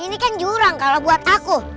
ini kan jurang kalau buat aku